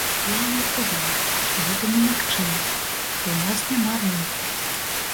Я яму адказаў, што гэта немагчыма, бо ў нас няма рынку.